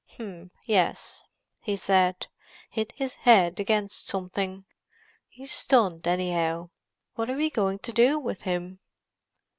"H'm, yes," he said. "Hit his head against something. He's stunned, anyhow. What are we going to do with him?"